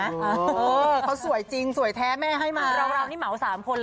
เออเขาสวยจริงสวยแท้แม่ให้มา